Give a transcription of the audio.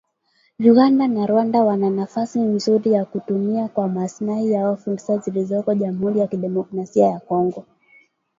Uganda na Rwanda wana nafasi nzuri ya kutumia kwa maslahi yao fursa zilizoko Jamhuri ya Kidemokrasia ya Kongo